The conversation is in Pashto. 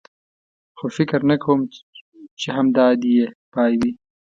خو فکر نه کوم، چې همدا دی یې پای وي.